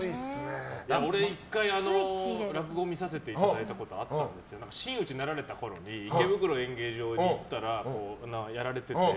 俺、１回落語を見させていただいたことあったんですけど真打ちになられたころに池袋演芸場に行ったらやられてて。